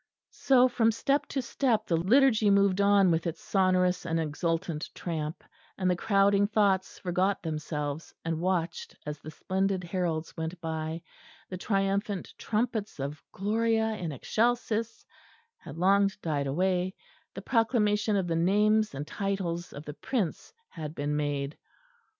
_" So from step to step the liturgy moved on with its sonorous and exultant tramp, and the crowding thoughts forgot themselves, and watched as the splendid heralds went by; the triumphant trumpets of Gloria in excelsis had long died away; the proclamation of the names and titles of the Prince had been made.